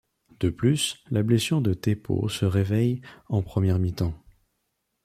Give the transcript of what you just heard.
De plus, la blessure de Thépot se réveille en première mi-temps.